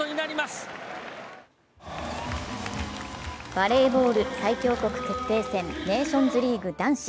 バレーボール最強国決定戦ネーションズリーグ男子。